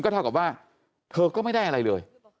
เท่ากับว่าเธอก็ไม่ได้อะไรเลย